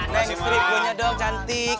neng strik punya dong cantik